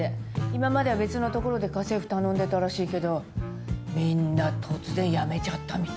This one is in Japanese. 今までは別のところで家政婦頼んでたらしいけどみんな突然辞めちゃったみたいよ。